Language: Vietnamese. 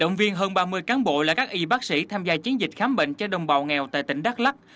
ghiền hơn ba mươi cán bộ là các y bác sĩ tham gia chiến dịch khám bệnh cho đồng bào nghèo tại tỉnh đắk lắk